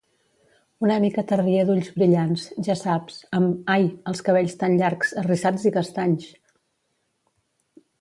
Una mica terrier d'ulls brillants, ja saps, amb, ai, els cabells tan llargs, arrissats i castanys!